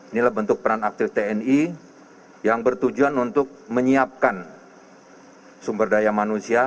inilah bentuk peran aktif tni yang bertujuan untuk menyiapkan sumber daya manusia